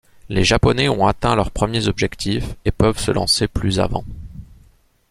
Les Japonais ont atteint leurs premiers objectifs, et peuvent se lancer plus avant.